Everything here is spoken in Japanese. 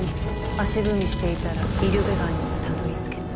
足踏みしていたらイルベガンにはたどりつけない。